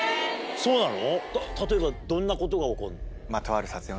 そうなの？